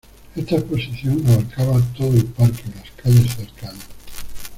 Esta exposición abarcaba todo el parque y las calles cercanas.